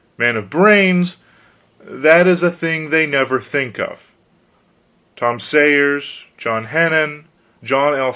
Man of brains that is a thing they never think of. Tom Sayers John Heenan John L.